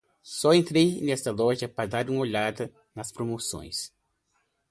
Só entrei nesta loja para dar uma olhada nas promoções.